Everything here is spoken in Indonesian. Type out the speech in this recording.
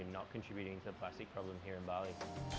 karena kami tidak menyumbang ke masalah plastik di bali